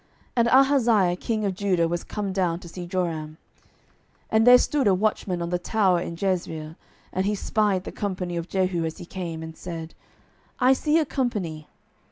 And Ahaziah king of Judah was come down to see Joram. 12:009:017 And there stood a watchman on the tower in Jezreel, and he spied the company of Jehu as he came, and said, I see a company.